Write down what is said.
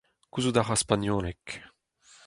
Gouzout a ra spagnoleg.